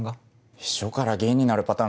秘書から議員になるパターン